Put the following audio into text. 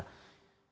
itu adalah kewenangan